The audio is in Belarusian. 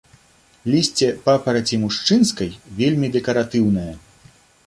Лісце папараці мужчынскай вельмі дэкаратыўнае.